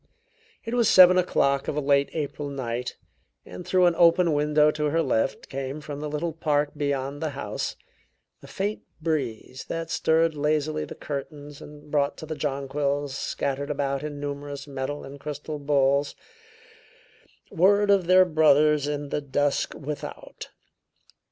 It was seven o'clock of a late April night, and through an open window to her left came, from the little park beyond the house, a faint breeze that stirred lazily the curtains and brought to the jonquils, scattered about in numerous metal and crystal bowls, word of their brothers in the dusk without.